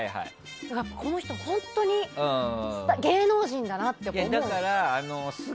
だから、この人本当に芸能人だなって思います。